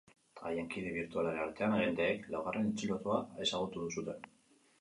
Haien kide birtualen artean, agenteek laugarren atxilotua ezagutu zuten.